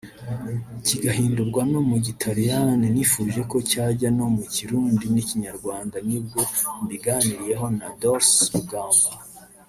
kigahindurwa no mu Gitaliyani nifuje ko cyajya no mu Kirundi n’Kinyarwanda nibwo mbiganiriyeho na Dorcy Rugamba